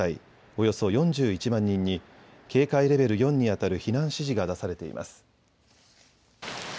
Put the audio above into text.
およそ４１万人に警戒レベル４に当たる避難指示が出されています。